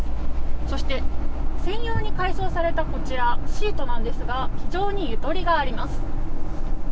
そして、専用に改装されたこちら、シートなんですが非常にゆとりがあります。